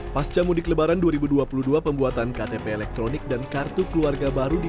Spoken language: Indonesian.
pasca mudik lebaran dua ribu dua puluh dua pembuatan ktp elektronik dan kartu keluarga baru di